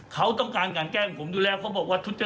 เขาต้องการการแก้งผมอยู่แล้ว